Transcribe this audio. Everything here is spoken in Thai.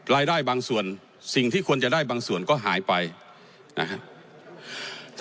รายได้บางส่วนสิ่งที่ควรจะได้บางส่วนก็หายไปนะฮะ